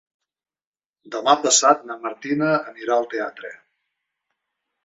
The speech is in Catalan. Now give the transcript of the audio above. Demà passat na Martina anirà al teatre.